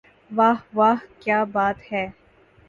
واہ واہ کیا بات ہے